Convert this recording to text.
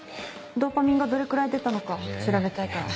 ドーパミンがどれくらい出たのか調べたいから。